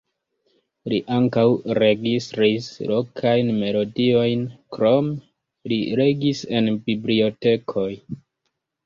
Li ankaŭ registris lokajn melodiojn, krome li legis en bibliotekoj.